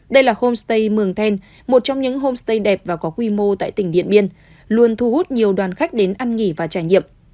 đây là homestay mường then một trong những homestay đẹp và có quy mô tại tỉnh điện biên luôn thu hút nhiều đoàn khách đến ăn nghỉ và trải nghiệm